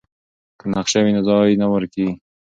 که نقشه وي نو ځای نه ورکېږي.